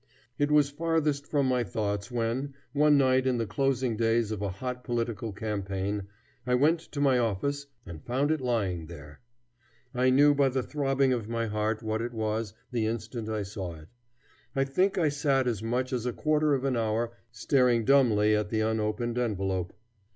It was farthest from my thoughts when, one night in the closing days of a hot political campaign, I went to my office and found it lying there. I knew by the throbbing of my heart what it was the instant I saw it. I think I sat as much as a quarter of an hour staring dumbly at the unopened envelope.